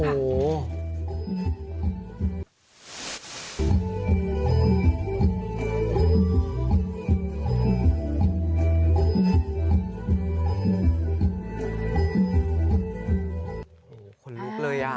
โอ้โฮขนลุกเลยอ่ะ